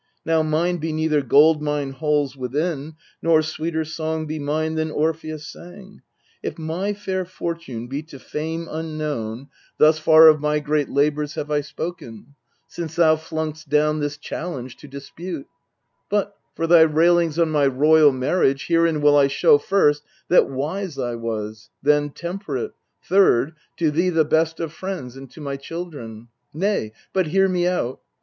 Now mine be neither gold mine halls within, Nor sweeter song be mine than Orpheus sang, If my fair fortune be to fame unknown. 'Or, reading K&irurrov, "Woe's me ! a marvellous spouse beyond belief." MEDEA 26l Thus far of my great labours have I spoken Since thou flung'st down this challenge to dispute But, for thy railings on my royal marriage, Herein will I show, first, that wise I was ; Then, temperate ; third, to thee the best of friends And to my children nay, but hear me out.